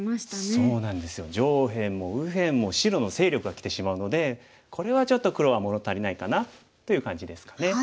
そうなんですよ上辺も右辺も白の勢力がきてしまうのでこれはちょっと黒は物足りないかなという感じですかね。